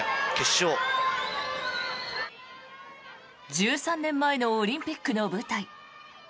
１３年前のオリンピックの舞台。